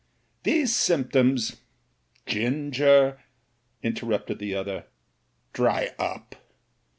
These symptoms " "Ginger," interrupted the other, "dry up.